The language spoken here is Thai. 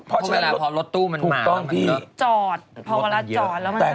พอรถตู้มาจอดพอผ่อนน่ะเข้าไปเลย